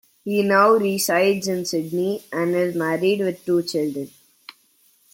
He now resides in Sydney, and is married with two children.